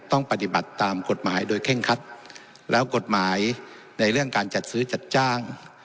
ต้องปฏิบัติตามกฎหมายโดยเคร่งคัดแล้วกฎหมายในเรื่องการจัดซื้อจัดจ้าง